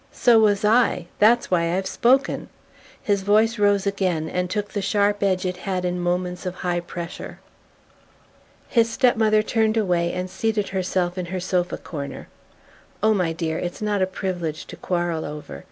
So was I. That's why I've spoken." His voice rose again and took the sharp edge it had in moments of high pressure. His step mother turned away and seated herself in her sofa corner. "Oh, my dear, it's not a privilege to quarrel over!